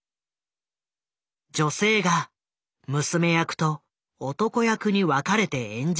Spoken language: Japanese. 女性が娘役と男役に分かれて演じる宝塚。